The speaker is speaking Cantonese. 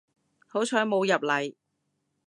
好彩冇入嚟